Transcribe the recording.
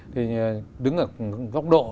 thì đứng ở góc độ